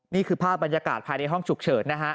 นี่คือภาพบรรยากาศภายในห้องฉุกเฉินนะฮะ